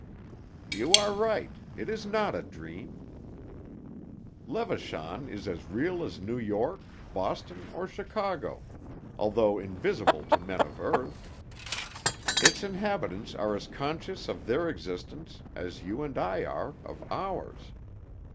"You are right; it is not a dream. Levachan is as real as New York, Boston, or Chicago, although invisible to men of earth. Its inhabitants are as conscious of their existence as you and I are of ours.